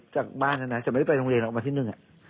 จากบ้านแล้วนะจะไม่ได้ไปโรงเรียนออกมาที่หนึ่ง